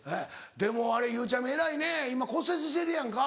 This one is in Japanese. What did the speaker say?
でもゆうちゃみ偉いね今骨折してるやんか？